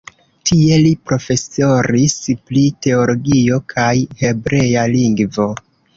Tie li profesoris pri teologio kaj hebrea lingvo.